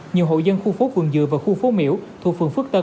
nhiều hộ dân khu phố vườn dừa và khu phố miễu thuộc phường phước tân